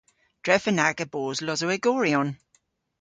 Drefen aga bos Losowegoryon.